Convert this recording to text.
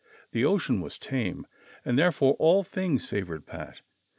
The ocean Avas tame, and therefore all things favored Pat.